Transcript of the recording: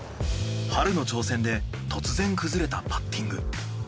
春の挑戦で突然崩れたパッティング。